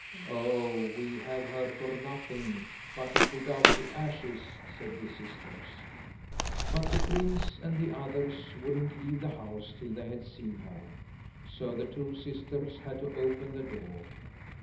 "Oh! we have her for nothing but to put out the ashes," said the sisters. But the prince and the others wouldn't leave the house till they had seen her; so the two sisters had to open the door.